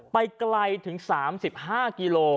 ไปไกลถึง๓๕กิโล